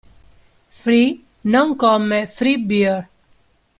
Free non come "free beer".